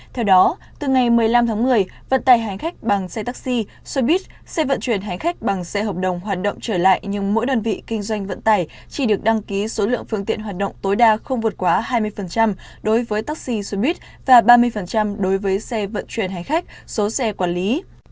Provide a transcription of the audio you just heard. theo đó từ ngày một mươi năm tháng một mươi vận tài hành khách bằng xe taxi xe buýt xe vận chuyển hành khách bằng xe hợp đồng hoạt động trở lại nhưng mỗi đơn vị kinh doanh vận tải chỉ được đăng ký số lượng phương tiện hoạt động tối đa không vượt quá hai mươi đối với taxi xe buýt và ba mươi đối với xe vận chuyển hành khách số xe quản lý